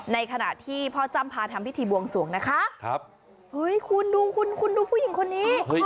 ในขณะที่พ่อจำภาษ์ทำพิธีบวงสวงนะคะฮึยคุณดูเห้ยคุณดูผู้หญิงคนนี้